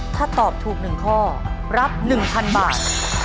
ถ้าตอบถูกหนึ่งข้อรับหนึ่งพันบาท